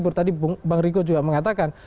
baru tadi bang riko juga mengatakan